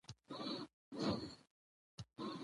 زه په تا پسي ځان نه سم رسولای